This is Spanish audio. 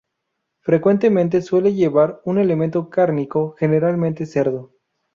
Frecuentemente suele llevar un elemento cárnico, generalmente cerdo.